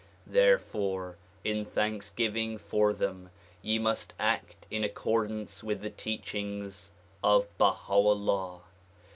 Therefore in thanksgiving for them ye must act in accordance with the teachings of Baha 'Ullah.